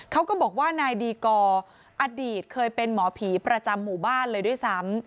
เขาก็บอกว่านายดีกอร์อดีตเคยเป็นหมอผีประจำหมู่บ้านเลยด้วยซ้ำ